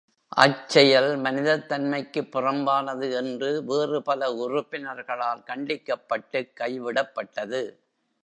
அச் செயல் மனிதத் தன்மைக்குப் புறம்பானது என்று வேறு பல உறுப்பினர்களால் கண்டிக்கப்பட்டுக் கைவிடப்பட்டது.